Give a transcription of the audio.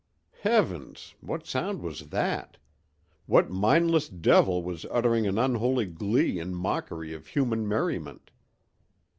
Heavens! what sound was that? what mindless devil was uttering an unholy glee in mockery of human merriment?